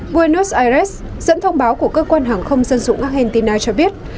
wanos aires dẫn thông báo của cơ quan hàng không dân dụng argentina cho biết